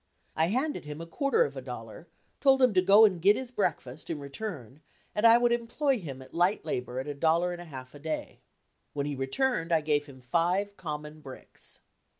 I handed him a quarter of a dollar, told him to go and get his breakfast and return, and I would employ him at light labor at a dollar and a half a day. When he returned I gave him five common bricks.